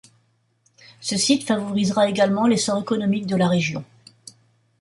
Ce site favorisera également l'essor économique de la région.